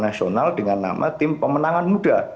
nasional dengan nama tim pemenangan muda